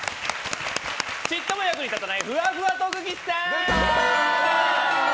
ちっとも役に立たないふわふわ特技さん！